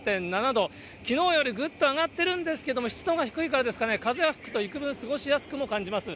きのうよりぐっと上がってるんですけれども、湿度が低いからですかね、風が吹くと幾分過ごしやすくも感じます。